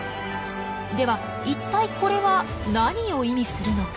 では一体これは何を意味するのか？